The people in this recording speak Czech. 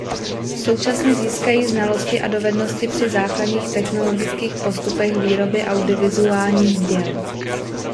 Současně získají znalosti a dovednosti při základních technologických postupech výroby audiovizuálních děl.